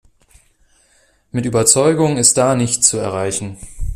Mit Überzeugung ist da nichts zu erreichen.